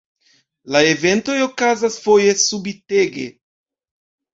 La eventoj okazas foje subitege.